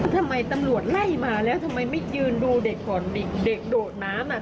ทำไมตำรวจไล่มาแล้วทำไมไม่ยืนดูเด็กก่อนเด็กเด็กโดดน้ำอ่ะ